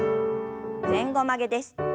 前後曲げです。